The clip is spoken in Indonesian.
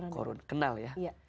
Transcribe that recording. korun kenal ya